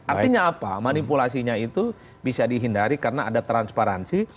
artinya apa manipulasinya itu bisa dihindari karena ada transparansi